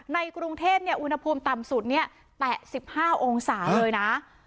ในกรุงเทพเนี่ยอุณหภูมิต่ำสุดเนี่ยแปะสิบห้าองศาเลยนะ